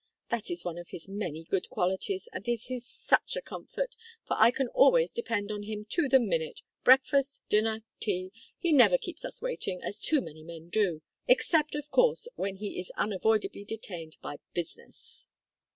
That is one of his many good qualities, and it is such a comfort, for I can always depend on him to the minute, breakfast, dinner, tea; he never keeps us waiting, as too many men do, except, of course, when he is unavoidably detained by business."